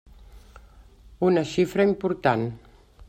Una xifra important.